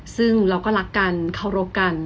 ซึ่งเราก็รักกันเคารพกัน